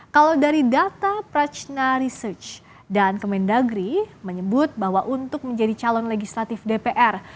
kalau dari data prachna research dan kemendagri menyebut bahwa untuk menjadi calon legislatif dpr